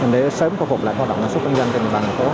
để sớm phục vụ hoạt động sản xuất kinh doanh